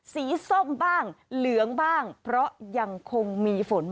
ส้มบ้างเหลืองบ้างเพราะยังคงมีฝน